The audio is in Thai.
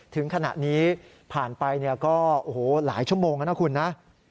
ถึงขณะนี้ผ่านไปก็โอ้โหหลายชั่วโมงแล้วนะคุณนะ